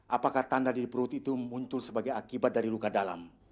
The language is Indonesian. apakah tanda di perut itu muncul sebagai akibat dari luka dalam